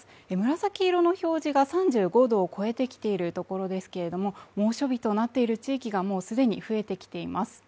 紫色の表示が３５度を超えてきているところですけれども猛暑日となっている地域がもうすでに増えてきています